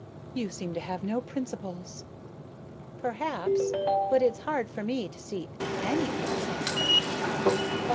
You seem to have no principles." "Perhaps. But it's hard for me to see any one suffer."